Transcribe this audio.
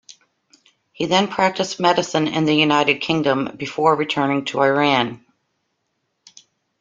He then practiced medicine in the United Kingdom, before returning to Iran.